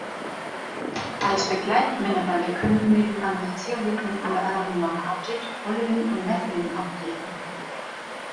Als Begleitminerale können neben anderen Zeolithen unter anderem noch Augit, Olivin und Nephelin auftreten.